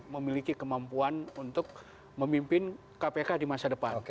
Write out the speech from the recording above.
memiliki kemampuan untuk memimpin kpk di masa depan